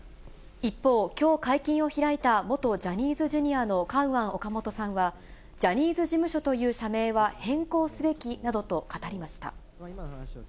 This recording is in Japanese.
一方、きょう会見を開いた、元ジャニーズＪｒ．のカウアン・オカモトさんは、ジャニーズ事務所という社名は変更すべきなどと語りました。